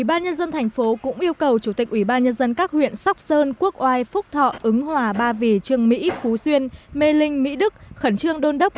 ubnd tp hcm cũng yêu cầu chủ tịch ubnd các huyện sóc sơn quốc oai phúc thọ ứng hòa ba vì trường mỹ phú xuyên mê linh mỹ đức khẩn trương đôn đốc